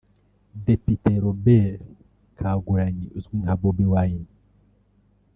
Depite Robert Kyagulanyi uzwi nka Bobi Wine